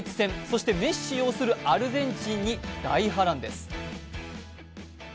そして、メッシ擁するアルゼンチンに大波乱です。